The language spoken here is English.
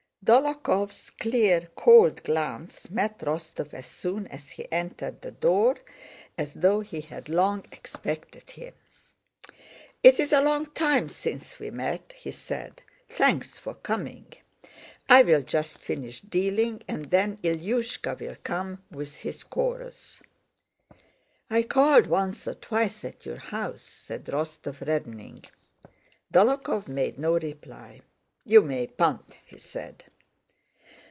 Dólokhov's clear, cold glance met Rostóv as soon as he entered the door, as though he had long expected him. "It's a long time since we met," he said. "Thanks for coming. I'll just finish dealing, and then Ilyúshka will come with his chorus." "I called once or twice at your house," said Rostóv, reddening. Dólokhov made no reply. "You may punt," he said.